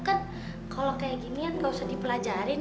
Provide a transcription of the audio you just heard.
kalau kayak gini nggak usah dipelajarin